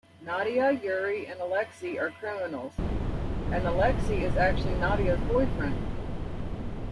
Nadia, Yuri, and Alexei are criminals, and Alexei is actually Nadia's boyfriend.